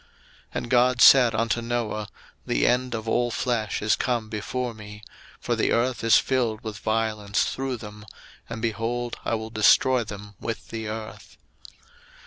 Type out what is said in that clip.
01:006:013 And God said unto Noah, The end of all flesh is come before me; for the earth is filled with violence through them; and, behold, I will destroy them with the earth.